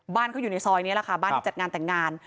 บ้านเขาอยู่ในซอยนี้แหละค่ะบ้านที่จัดงานแต่งงาน